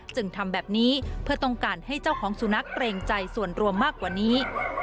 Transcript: จึงทำแบบนี้เพื่อต้องการให้เจ้าของสุนัขเกรงใจส่วนรวมมากกว่านี้